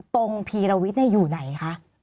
ตรงพีรวิทย์น่ะอยู่ไหนคะ